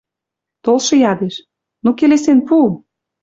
Толшы ядеш. — Ну, келесен пу...» —